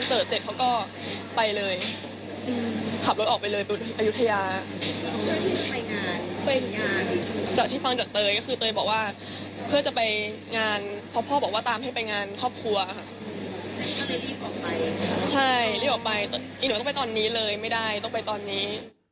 ใช่รีบออกไปอีหนูต้องไปตอนนี้เลยไม่ได้ต้องไปตอนนี้